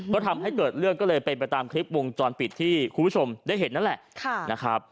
ก็ทำให้เกิดเรื่องก็เลยเป็นไปตามคลิปวงจรปิดที่คุณผู้ชมได้เห็นนั่นแหละนะครับ